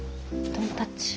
ドンタッチ。